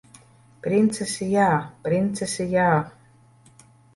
Princesi jā! Princesi jā!